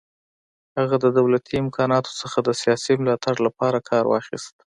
هغه د دولتي امکاناتو څخه د سیاسي ملاتړ لپاره کار واخیست.